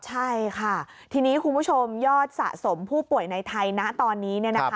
ใช่ค่ะทีนี้คุณผู้ชมยอดสะสมผู้ป่วยในไทยนะตอนนี้